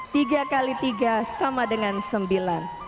tiga x tiga sama dengan sembilan